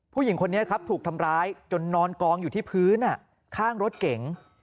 ผู้หญิงคนนี้ครับถูกทำร้ายจนนอนกองอยู่ที่พื้นข้างรถเก๋ง